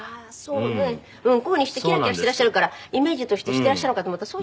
こういうふうにしてキラキラしていらっしゃるからイメージとしてしていらっしゃるのかと思ったら。